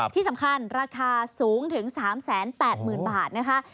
ที่สำคัญราคาสูงถึง๓๘๐๐๐บาทนะคะ